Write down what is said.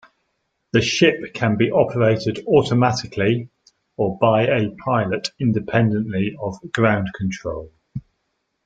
The ship can be operated automatically, or by a pilot independently of ground control.